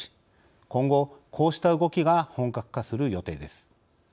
今後こうした動きが本格化する予定です。